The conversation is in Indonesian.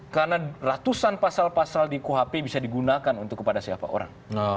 karena ratusan pasal pasal di khp bisa digunakan untuk kepada siapa orang